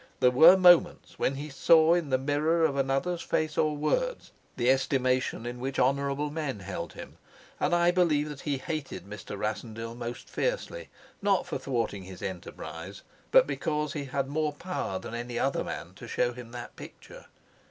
There were moments when he saw, in the mirror of another's face or words, the estimation in which honorable men held him; and I believe that he hated Mr. Rassendyll most fiercely, not for thwarting his enterprise, but because he had more power than any other man to show him that picture.